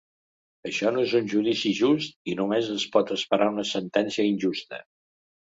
Això no és un judici just i només es pot esperar una sentència injusta.